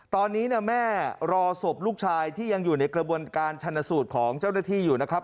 ตอนนี้แม่รอศพลูกชายที่ยังอยู่ในกระบวนการชันสูตรของเจ้าหน้าที่อยู่นะครับ